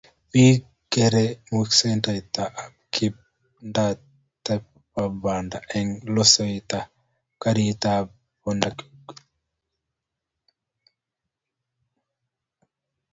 Biik, kende musokanetatb kiringdaetab banda eng loiseetab garisyekab poror.